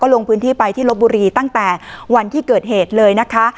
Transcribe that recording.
ลงพื้นที่ไปที่ลบบุรีตั้งแต่วันที่เกิดเหตุเลยนะคะ